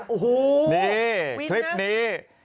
โอ้โหคลิปนี้